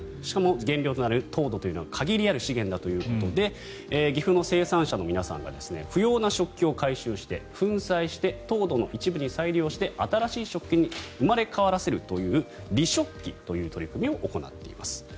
しかも原料となる陶土は限りある資源だということで岐阜の生産者の皆さんが不要な食器を回収して粉砕して陶土の一部に再利用して新しい食器に生まれ変わらせるというＲｅ−食器という取り組みを行っています。